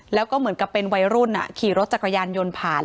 แล้วก็เหมือนกับเป็นวัยรุ่นขี่รถจักรยานยนต์ผ่าน